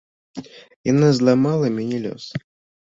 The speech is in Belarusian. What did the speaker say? Яна зламала мяне лёс.